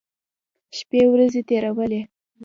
شپې ورځې تېرولې.